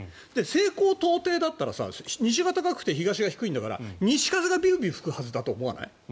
西高東低だったら西が高くて東が低いんだから西風が吹くはずだと思わない？